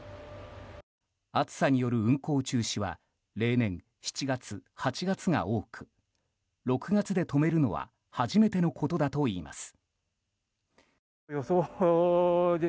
暑さによる運行中止は例年７月、８月が多く６月で止めるのは初めてのことだといいます。